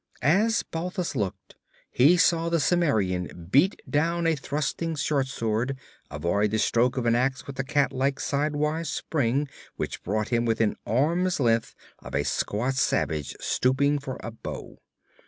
As Balthus looked he saw the Cimmerian beat down a thrusting shortsword, avoid the stroke of an ax with a cat like sidewise spring which brought him within arm's length of a squat savage stooping for a bow.